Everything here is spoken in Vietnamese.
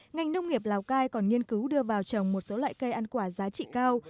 ngành nông nghiệp lào cai còn nghiên cứu đưa vào trồng một số loại cây ăn quả giá trị cao